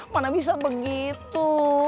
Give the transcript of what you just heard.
mana bisa begitu